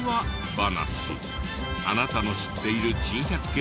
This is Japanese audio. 話あなたの知っている珍百景